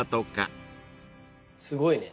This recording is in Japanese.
すごいね。